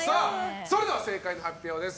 それでは正解発表です。